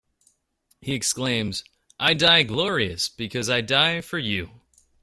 He exclaims: I die glorious because I die for you!